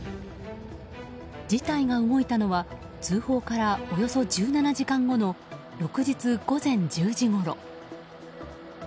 事態が動いたのは通報からおよそ１７時間後の翌日午前１０時ごろ。